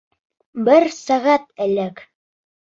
Бер сәғәт элек...